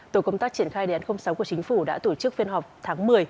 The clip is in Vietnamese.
tổ công tác triển khai đề án sáu của chính phủ đã tổ chức phiên họp tháng một mươi